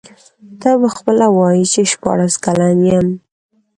ته به خپله وایې چي شپاړس کلن یم.